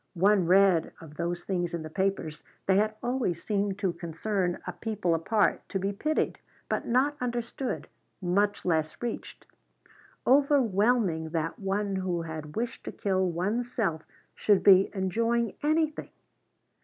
One read of those things in the papers; they had always seemed to concern a people apart, to be pitied, but not understood, much less reached. Overwhelming that one who had wished to kill one's self should be enjoying anything!